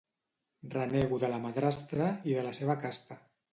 Renego de la madrastra i de la seva casta.